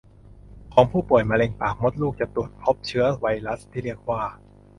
ของผู้ป่วยมะเร็งปากมดลูกจะตรวจพบเชื้อไวรัสที่เรียกว่า